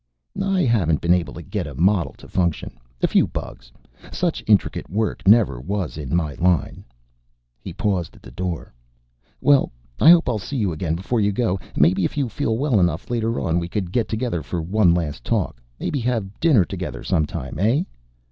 "I haven't been able to get a model to function. A few bugs.... Such intricate work never was in my line." He paused at the door. "Well, I hope I'll see you again before you go. Maybe if you feel well enough later on we could get together for one last talk. Maybe have dinner together sometime. Eh?"